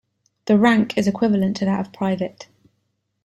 The rank is equivalent to that of Private.